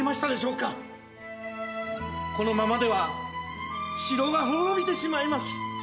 このままでは城が滅びてしまいます。